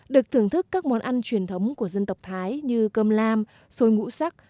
được thưởng thức các món ăn truyền thống của dân tộc thái như cơm lam xôi ngũ sắc